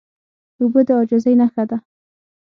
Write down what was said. اوبه د عاجزۍ نښه ده.